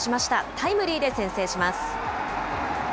タイムリーで先制します。